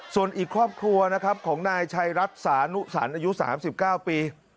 ส่วนอีกครอบครัวนะครับของนายชัยรัฐสานุสันอายุ๓๙ปี